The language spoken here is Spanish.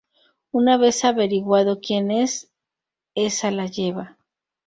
Una vez averiguado quien es, esa la lleva.